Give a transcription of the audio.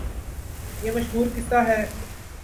یہ مشہورقصہ ہے۔